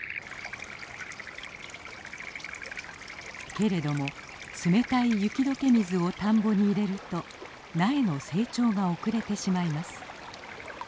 けれども冷たい雪解け水を田んぼに入れると苗の成長が遅れてしまいます。